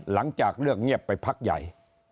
หลังจากเลิกเงียบไปพักใหญ่